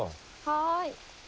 はい。